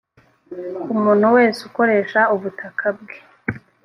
umuntu wese ukoresha ubutaka bwe.